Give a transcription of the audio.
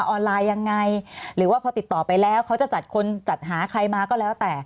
ออนไลน์ยังไงหรือว่าพอติดต่อไปแล้วเขาจะจัดคนจัดหาใครมาก็แล้วแต่